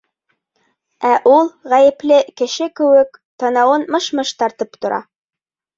Ә ул, ғәйепле кеше кеүек, танауын мыш-мыш тартып тора.